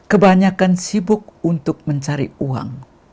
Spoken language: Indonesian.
kebanyakan sibuk untuk mencari uang